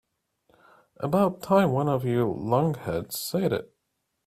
About time one of you lunkheads said it.